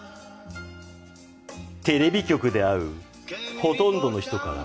テレビ局で会うほとんどの人から